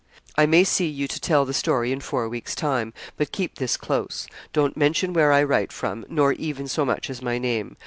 I may see you to tell the story in four weeks' time; but keep this close. Don't mention where I write from, nor even so much as my name.